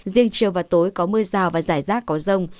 riêng chiều và tối có mưa rào và rải rác có rông